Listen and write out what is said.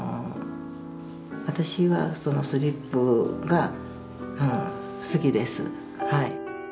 私はスリップが好きです。